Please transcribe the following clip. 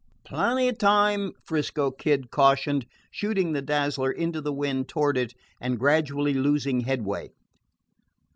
"Plenty of time," 'Frisco Kid cautioned, shooting the Dazzler into the wind toward it and gradually losing headway.